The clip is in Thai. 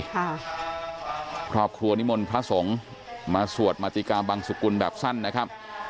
ครอบครัวนิมนต์พระสงฆ์มาสวดมาติกาบังสุกุลแบบสั้นนะครับ